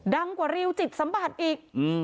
ดังกว่าริวจิตสมบัติอีก